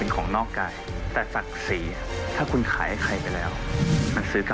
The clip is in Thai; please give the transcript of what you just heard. แล้วก็เป็นคนตั้งใจทำอะไรแบบทำแบบสุดตรงค่ะ